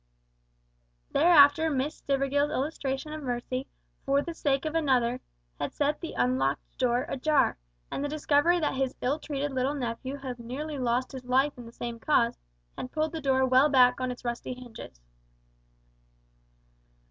Thereafter Miss Stivergill's illustration of mercy, for the sake of another, had set the unlocked door ajar, and the discovery that his ill treated little nephew had nearly lost his life in the same cause, had pulled the door well back on its rusty hinges.